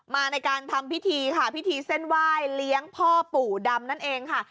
มาในการทำพิธีค่ะพิธีเส้นไหว้เลี้ยงพ่อปู่ดำนั่นเองค่ะ